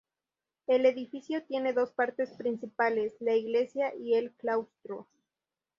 El edificio tiene dos partes principales: la iglesia y el claustro.